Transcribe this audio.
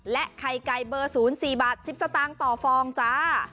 ไข่ไก่เบอร์๐๔บาท๑๐สตางค์ต่อฟองจ้า